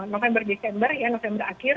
november desember ya november akhir